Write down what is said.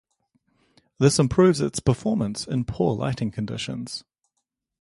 This improves its performance in poor lighting conditions.